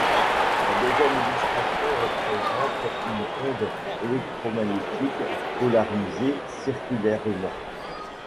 La deuxième illustration représente une onde électromagnétique polarisée circulairement.